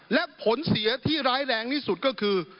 และผลเสียที่ร้ายแรงที่สุดก็คือ